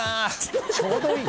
・ちょうどいい？